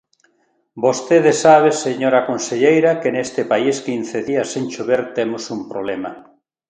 Vostede sabe, señora conselleira, que neste país, quince días sen chover, temos un problema.